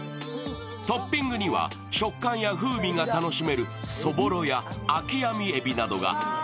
トッピングには食感や風味が楽しめるそぼろやあきあみえびなどが。